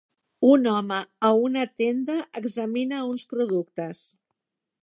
Un home a una tenda examina uns productes.